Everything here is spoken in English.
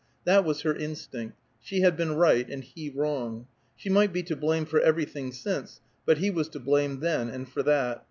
That was her instinct; she had been right, and he wrong; she might be to blame for everything since, but he was to blame then and for that.